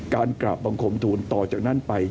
กราบบังคมทูลต่อจากนั้นไป